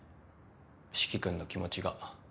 四鬼君の気持ちが。